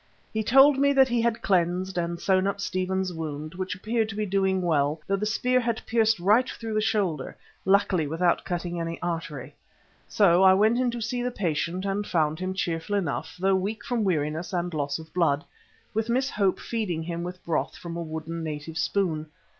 He told me that he had cleansed and sewn up Stephen's wound, which appeared to be doing well, although the spear had pierced right through the shoulder, luckily without cutting any artery. So I went in to see the patient and found him cheerful enough, though weak from weariness and loss of blood, with Miss Hope feeding him with broth from a wooden native spoon.